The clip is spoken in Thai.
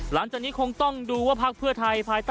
หลังจากนี้คงต้องดูว่าภักดิ์เพื่อไทย